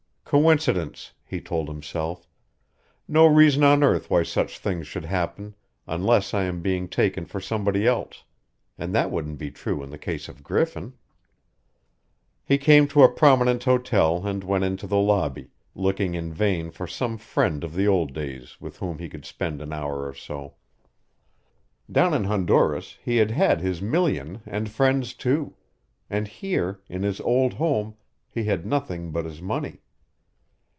"Coincidence," he told himself. "No reason on earth why such things should happen unless I am being taken for somebody else and that wouldn't be true in the case of Griffin." He came to a prominent hotel and went into the lobby, looking in vain for some friend of the old days with whom he could spend an hour or so. Down in Honduras he had had his million and friends, too; and here, in his old home, he had nothing but his money.